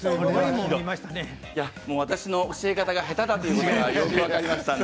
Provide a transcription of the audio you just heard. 私の教え方が下手だということがよく分かりました。